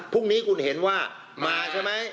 พรุ่งนี้คุณเห็นว่ามาใช่ไหม